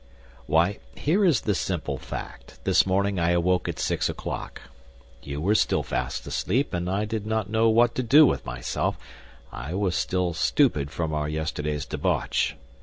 "Why, here is the simple fact. This morning I awoke at six o'clock. You were still fast asleep, and I did not know what to do with myself; I was still stupid from our yesterday's debauch.